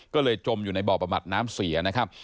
ก็เลยจมอยู่ในบ่อประบัดน้ำเสียนะครับ